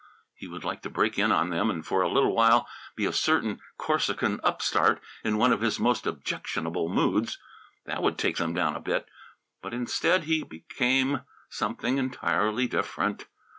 He would like to break in on them and for a little while be a certain Corsican upstart in one of his most objectionable moods. That would take them down a bit. But, instead, he became something entirely different.